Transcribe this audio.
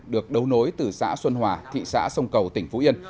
được đấu nối từ xã xuân hòa thị xã sông cầu tỉnh phú yên